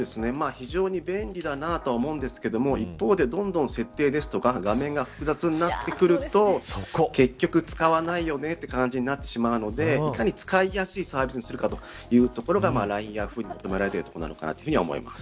非常に便利だなとは思うんですけど一方で、どんどん設定とか画面が複雑になってくると結局使わないよねって感じになってしまうのでいかに使いやすいサービスにするか、というところがＬＩＮＥヤフーに求められているところなのかなと思います。